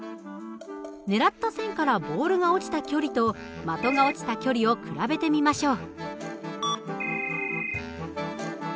ねらった線からボールが落ちた距離と的が落ちた距離を比べてみましょう。